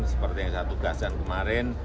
seperti yang saya tugaskan kemarin